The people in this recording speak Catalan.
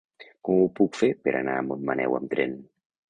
Com ho puc fer per anar a Montmaneu amb tren?